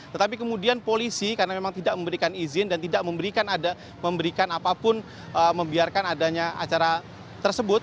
tetapi kemudian polisi karena memang tidak memberikan izin dan tidak memberikan apapun membiarkan adanya acara tersebut